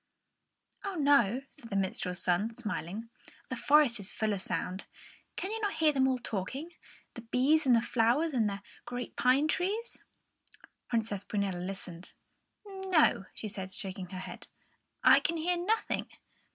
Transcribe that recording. "Oh, no," said the minstrel's son, smiling; "the forest is full of sound. Can you not hear them all talking, the bees and the flowers and the great pine trees?" Princess Prunella listened. "No," she said, shaking her head, "I can hear nothing."